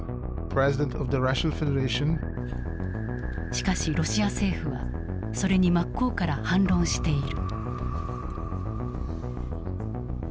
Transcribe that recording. しかしロシア政府はそれに真っ向から反論している。